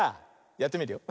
やってみるよ。